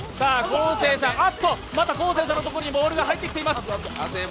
昴生さんのところにボールが入ってきています。